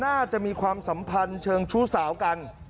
น่าจะมีความสัมพันธ์เชิงชู้สาวกัน